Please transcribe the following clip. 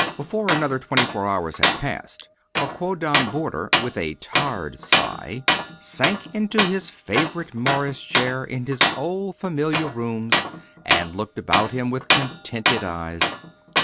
Before another twenty four hours had passed her quondam boarder, with a tired sigh, sank into his favorite morris chair in his old familiar rooms, and looked about him with contented eyes.